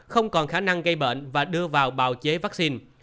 không còn khả năng gây bệnh và đưa vào bào chế vaccine